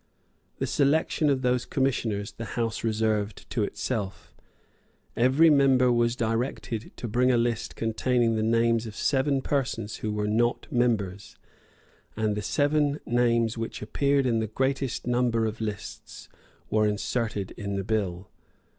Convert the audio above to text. The selection of those Commissioners the House reserved to itself. Every member was directed to bring a list containing the names of seven persons who were not members; and the seven names which appeared in the greatest number of lists were inserted in the bill.